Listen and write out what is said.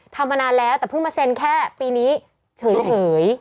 มานานแล้วแต่เพิ่งมาเซ็นแค่ปีนี้เฉย